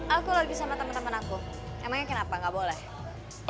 aku lagi sama temen temen aku emang yakin apa gak boleh